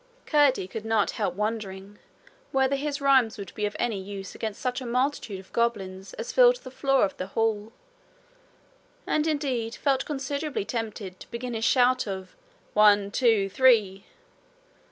Curdie could not help wondering whether his rhymes would be of any use against such a multitude of goblins as filled the floor of the hall, and indeed felt considerably tempted to begin his shout of 'One, two, three!'